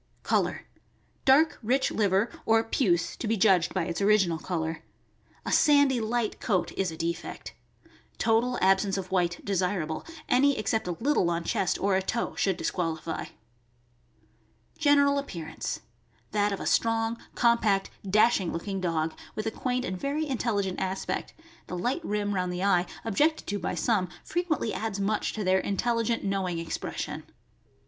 Color. — Dark, rich liver, or puce (to be judged by its original color). A sandy, light coat is a defect. Total ab sence of white desirable; any except a little on chest or a toe should disqualify. General appearance. — That of a strong, compact, dash ing looking dog, with a quaint and very intelligent aspect (the light rim round the eye, objected to by some, fre quently adds much to their intelligent, knowing expres sion).